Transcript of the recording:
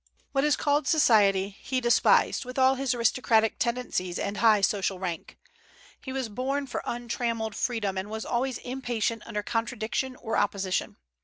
What is called society he despised, with all his aristocratic tendencies and high social rank. He was born for untrammelled freedom, and was always impatient under contradiction or opposition.